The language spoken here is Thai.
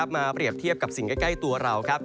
เปรียบเทียบกับสิ่งใกล้ตัวเราครับ